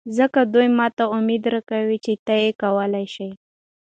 ځکه دوي ماته اميد راکوه چې ته کولې شې.